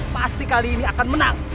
pasti kali ini akan menang